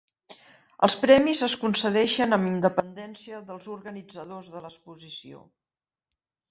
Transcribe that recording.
Els premis es concedeixen amb independència del organitzadors de l'exposició.